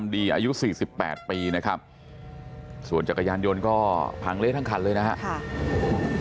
อายุ๔๘ปีนะครับส่วนจักรยานยนต์ก็พังเละทั้งคันเลยนะครับ